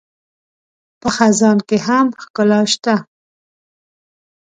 په خزان کې هم ښکلا شته